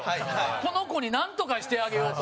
この子になんとかしてあげようと。